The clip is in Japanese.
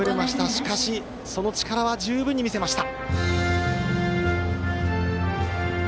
しかし、その力は十分に見せました。